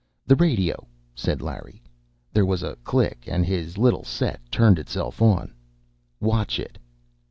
"The radio," said Larry. There was a click and his little set turned itself on. "Watch it."